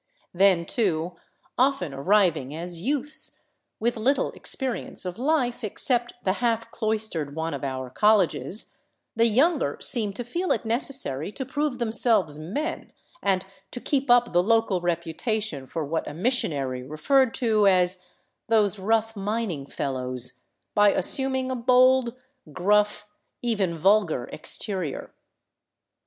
Then, too, often arriving as youths, with little expe rience of life except the half cloistered one of our colleges, the younger 335 VAGABONDING DOWN THE ANDES seem to feel it necessary to prove themselves '' men," and to keep up the local reputation for what a missionary referred to as " those rough mining fellows " by assuming a bold, gruff, even vulgar exterior.